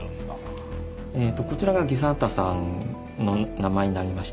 こちらが儀三太さんの名前になりまして。